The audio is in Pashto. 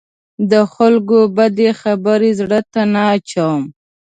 د خلکو بدې خبرې زړه ته نه اچوم.